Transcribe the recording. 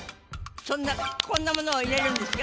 そんなこんなものを入れるんですか？